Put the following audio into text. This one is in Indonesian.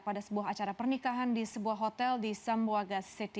pada sebuah acara pernikahan di sebuah hotel di sambuaga city